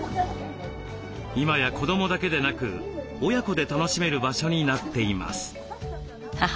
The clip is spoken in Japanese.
今や子どもだけでなく親子で楽しめる場所になっています。